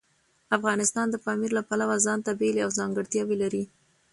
افغانستان د پامیر له پلوه ځانته بېلې او ځانګړتیاوې لري.